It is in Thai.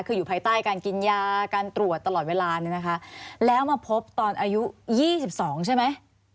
คืออยู่ภายใต้การกินยาการตรวจตลอดเวลาเนี่ยนะคะแล้วมาพบตอนอายุ๒๒ใช่ไหม